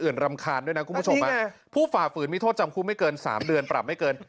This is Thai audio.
รำคาญด้วยนะคุณผู้ชมผู้ฝ่าฝืนมีโทษจำคุกไม่เกิน๓เดือนปรับไม่เกิน